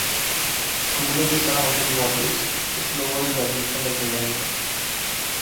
The cooler the surrounding waters, the slower the development of the young is.